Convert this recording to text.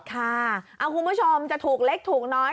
ค่ะคุณผู้ชมจะถูกเล็กถูกน้อย